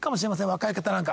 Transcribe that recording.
若い方なんか。